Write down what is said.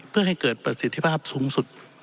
เพื่อให้เกิดประสิทธิภาพสูงสุด